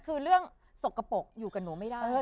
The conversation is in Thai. คือเรื่องโศกกระโปะอยู่กักหนูไม่ได้